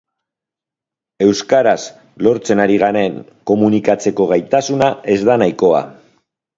Euskaraz lortzen ari garen komunikatzeko gaitasuna ez da nahikoa.